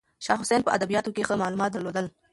شاه حسین په ادبیاتو کې ښه معلومات درلودل.